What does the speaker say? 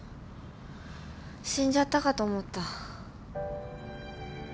死んじゃったかと思った。